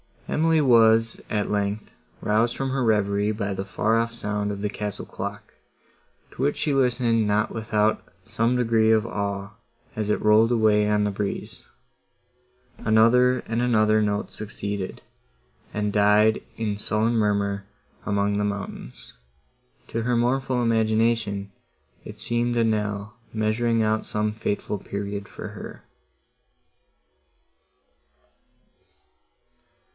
Emily was, at length, roused from her reverie by the far off sound of the castle clock, to which she listened not without some degree of awe, as it rolled away on the breeze. Another and another note succeeded, and died in sullen murmur among the mountains:—to her mournful imagination it seemed a knell measuring out some fateful period for her.